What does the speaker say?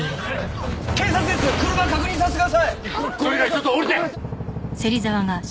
ちょっと降りて！